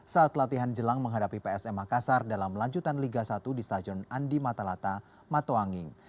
saat latihan jelang menghadapi psm makassar dalam lanjutan liga satu di stadion andi matalata matoanging